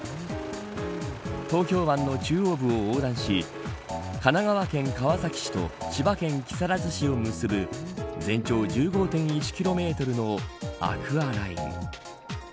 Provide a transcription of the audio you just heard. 東京湾の中央部を横断し神奈川県川崎市と千葉県木更津市を結ぶ全長１５．１キロメートルのアクアライン。